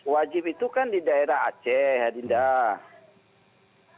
wajib itu kan di daerah aceh harinda